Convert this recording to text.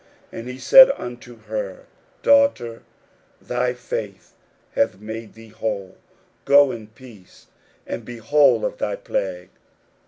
41:005:034 And he said unto her, Daughter, thy faith hath made thee whole; go in peace, and be whole of thy plague.